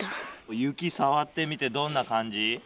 雪触ってみてどんな感じ？